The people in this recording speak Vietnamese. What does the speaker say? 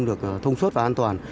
được thông suốt và an toàn